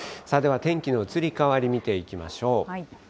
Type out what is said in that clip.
では天気の移り変わり、見ていきましょう。